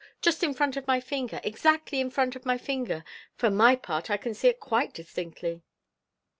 Just in front of my finger, exactly in front of my finger. For my part, I can see it quite distinctly."